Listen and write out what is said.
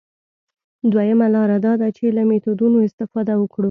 دویمه لاره دا ده چې له میتودونو استفاده وکړو.